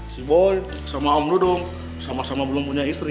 si boi sama om ludung sama sama belum punya istri